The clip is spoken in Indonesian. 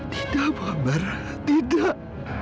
tidak bu ambar tidak